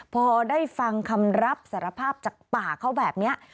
พอได้ฟังคำรับสารภาพจากป่าเขาแบบนี้